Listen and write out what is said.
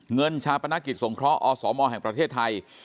ชาปนกิจสงเคราะห์อสมแห่งประเทศไทย